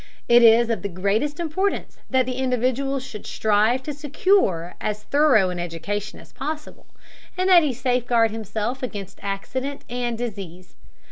It is of the greatest importance that the individual should strive to secure as thorough an education as possible, and that he safeguard himself against accident and disease.